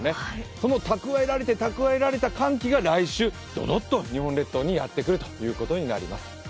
その蓄えられて、蓄えられた寒気が来週、どどっと日本列島にやってくるということになります。